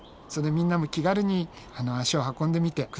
みんなも気軽に足を運んでみて下さい。